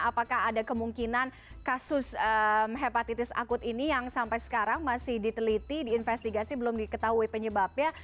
apakah ada kemungkinan kasus hepatitis akut ini yang sampai sekarang masih diteliti diinvestigasi belum diketahui penyebabnya